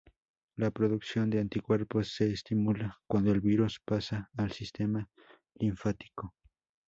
La producción de anticuerpos se estimula cuando el virus pasa al sistema linfático.